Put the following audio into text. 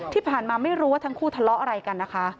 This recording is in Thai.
ไม่รู้ว่าทั้งคู่ทะเลาะอะไรกันนะคะ